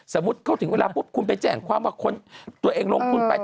สมมุติเขาถึงเวลาปุ๊บคุณไปแจ้งความว่าคนตัวเองลงทุนไป